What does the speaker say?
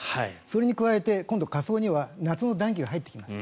それに加え今度下層には夏の暖気が入ってきます。